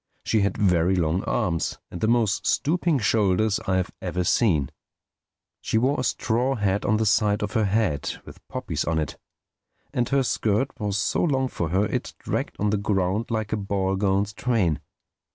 She had very long arms and the most stooping shoulders I have ever seen. She wore a straw hat on the side of her head with poppies on it; and her skirt was so long for her it dragged on the ground like a ball gown's train.